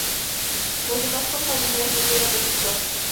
Las demás compañías no llegan al sector.